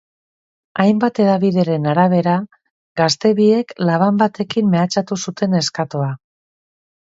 Hainbat hedabideren arabera, gazte biek laban batekin mehatxatu zuten neskatoa.